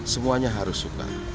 semuanya harus suka